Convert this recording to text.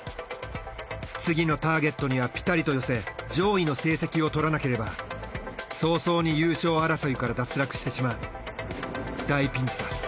次のターゲットにはピタリと寄せ上位の成績を取らなければ早々に優勝争いから脱落してしまう大ピンチだ。